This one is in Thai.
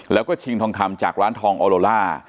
แล้วก็ชิงทองคำจากร้านทองออโลล่า